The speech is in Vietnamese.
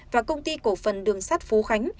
và công ty cổ phần đường sắt phú khánh